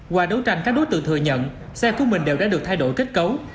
qua đấu tranh các đối tượng thừa nhận xe của mình đều đã được thay đổi kết cấu